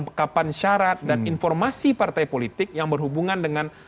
pekapan syarat dan informasi partai politik yang berhubungan dengan